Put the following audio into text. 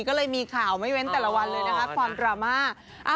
ก็เลยมีข่าวไม่เว้นแต่ละวันเลยนะคะความดราม่า